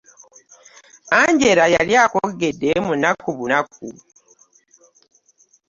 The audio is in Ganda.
Angela yali akoggedde mu nnaku bunaku.